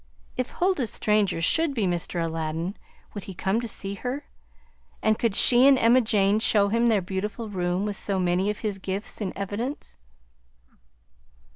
If Huldah's stranger should be Mr. Aladdin, would he come to see her, and could she and Emma Jane show him their beautiful room with so many of his gifts in evidence?